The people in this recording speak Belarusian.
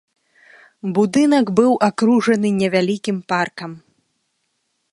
Будынак быў акружаны невялікім паркам.